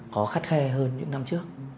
có khắt khe hơn những năm trước